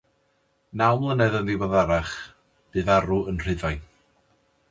Naw mlynedd yn ddiweddarach, bu farw yn Rhufain.